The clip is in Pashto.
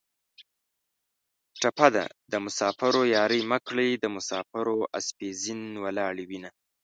ټپه ده: د مسافرو یارۍ مه کړئ د مسافرو اسپې زین ولاړې وینه